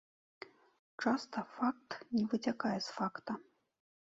Часта факт не выцякае з факта.